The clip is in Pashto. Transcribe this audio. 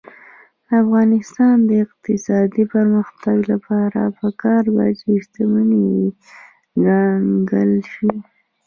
د افغانستان د اقتصادي پرمختګ لپاره پکار ده چې شتمني کنګل نشي.